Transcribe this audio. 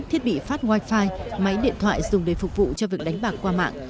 thiết bị phát wifi máy điện thoại dùng để phục vụ cho việc đánh bạc qua mạng